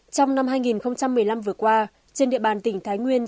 trong năm hai nghìn một mươi năm vừa qua trên địa bàn tỉnh thái nguyên